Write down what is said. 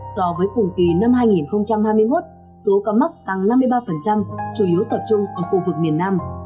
so với cùng kỳ năm hai nghìn hai mươi một số ca mắc tăng năm mươi ba chủ yếu tập trung ở khu vực miền nam